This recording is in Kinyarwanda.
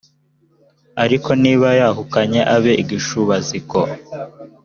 ariko niba yahukanye abe igishubaziko